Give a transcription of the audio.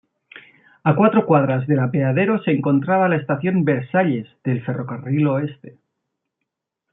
A cuatro cuadras del apeadero se encontraba la estación Versailles del Ferrocarril Oeste.